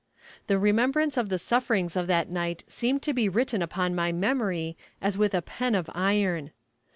The remembrance of the sufferings of that night seem to be written upon my memory "as with a pen of iron."